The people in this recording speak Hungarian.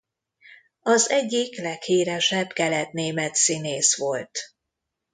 Az egyik leghíresebb keletnémet színész volt.